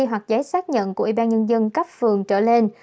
hoặc giấy xác nhận của ủy ban nhân dân cấp phường trở lên